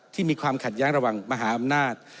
มีความขัดแย้งระหว่างมหาอำนาจ